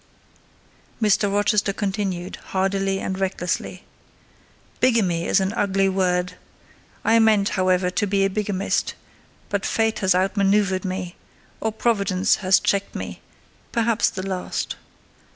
Mr. Rochester continued, hardily and recklessly: "Bigamy is an ugly word!—I meant, however, to be a bigamist; but fate has out manoeuvred me, or Providence has checked me,—perhaps the last.